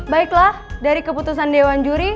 baiklah dari keputusan dewan juri